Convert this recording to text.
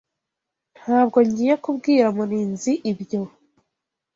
Ntabwo ngiye kubwira Murinzi ibyo.